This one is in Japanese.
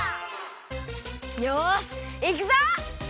よしいくぞ！